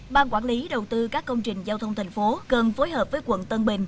ban quản lý đầu tư các công trình giao thông thành phố cần phối hợp với quận tân bình